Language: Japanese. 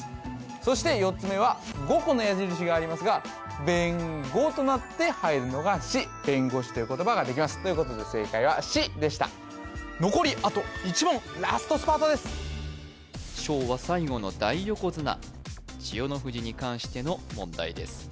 そして４つ目は５個の矢印がありますが「べんご」となって入るのが「し」「べんごし」という言葉ができますということで正解は「し」でした昭和最後の大横綱千代の富士に関しての問題です